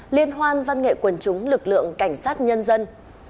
liên hoan văn nghệ quần chúng lực lượng cảnh sát nhân dân